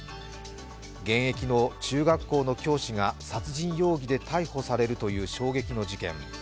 現役の中学校の教師が殺人容疑で逮捕されるという衝撃の事件。